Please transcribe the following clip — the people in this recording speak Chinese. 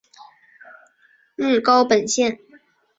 日高本线。